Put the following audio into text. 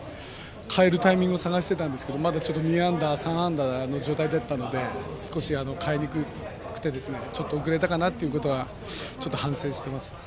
代えるタイミングを探していたんですが２安打、３安打状態だったので少し代えにくくてちょっと遅れたかなというのは反省しています。